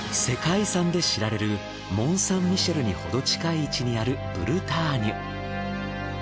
世界遺産で知られるモン・サン・ミシェルにほど近い位置にあるブルターニュ。